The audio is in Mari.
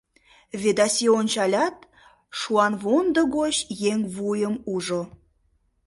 Ведаси ончалят, шуанвондо гоч еҥ вуйым ужо.